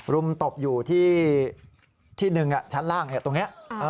รุมตบอยู่ที่หนึ่งชั้นล่างตรงนี้